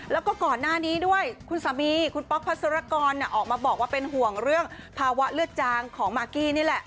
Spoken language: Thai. แล้วก็ก่อนหน้านี้ด้วยคุณสามีคุณป๊อกพัศรกรออกมาบอกว่าเป็นห่วงเรื่องภาวะเลือดจางของมากกี้นี่แหละ